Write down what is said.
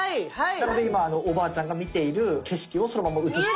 なので今おばあちゃんが見ている景色をそのまま映してる。